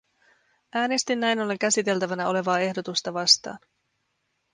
Äänestin näin ollen käsiteltävänä olevaa ehdotusta vastaan.